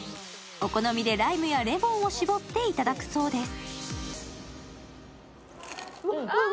お好みでライムやレモンを搾っていただくそうです。